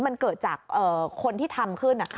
มันเกิดจากคนที่ทำขึ้น